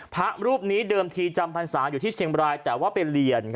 พระรูปนี้เดิมทีจำพรรษาอยู่ที่เชียงบรายแต่ว่าไปเรียน